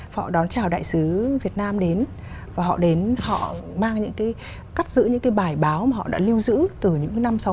họ đón chào đại sứ việt nam đến và họ đến họ mang những cái cắt giữ những cái bài báo mà họ đã lưu giữ từ những cái năm sau